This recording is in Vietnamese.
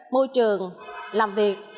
môi trường làm việc